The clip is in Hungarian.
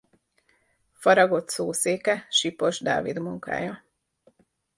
Faragott szószéke Sipos Dávid munkája.